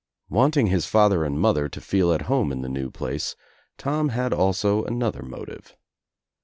Wanting his father and mother to feel at home in the new place, Tom had also another motive.